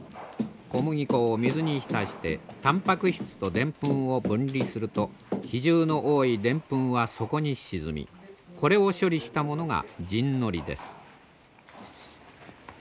小麦粉を水に浸してたんぱく質とでんぷんを分離すると比重の多いでんぷんは底に沈みこれを処理したものが沈糊です。